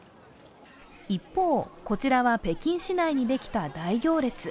一方、こちらは、北京市内にできた大行列。